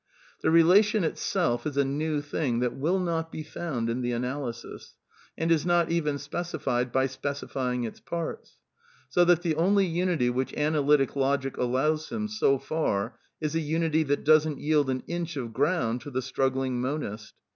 The relation itself is a new thing that will y/' not he found in the analysis, and is ^^ not even specified by specifying its parts." So that the only unity which Analytic Logic allows him, so far, is a unity that doesn't yield an inch of ground to the struggling monist.